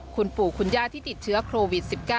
คุณปู่คุณย่าที่ติดเชื้อโควิด๑๙